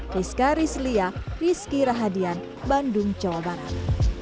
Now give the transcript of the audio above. fisca risliah rizky rahadian bandung coba barat